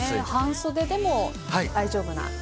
半袖でも大丈夫な。